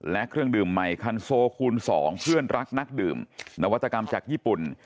และเครื่องดื่มใหม่คันโซคูณ๒เพื่อนรักนักดื่มนวัตกรรมจากญี่ปุ่น